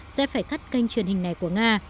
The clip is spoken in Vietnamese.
sẽ phải cắt kênh truyền hình này của nga